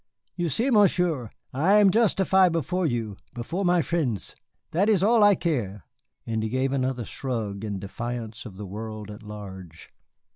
"You see, Monsieur, I am justify before you, before my frien's, that is all I care," and he gave another shrug in defiance of the world at large.